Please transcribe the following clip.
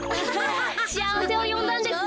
しあわせをよんだんですね。